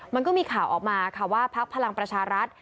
มันก็มีข่าวออกมาค่ะว่าพักพลังประชารัฐ